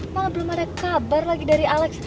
malah belum ada kabar lagi dari alex